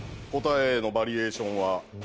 答えのバリエーションは。